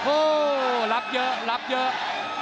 โอ้โหรับเยอะรับเยอะ